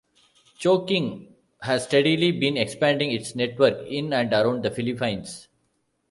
Chowking has steadily been expanding its network in and around the Philippines.